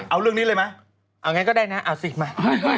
เอาเรื่องนี้เลยไหมเอาไงก็ได้นะเอาสิมา